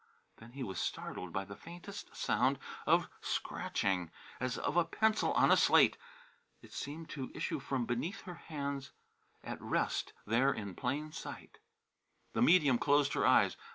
Then he was startled by the faintest sound of scratching, as of a pencil on a slate. It seemed to issue from beneath their hands at rest there in plain sight. The medium closed her eyes.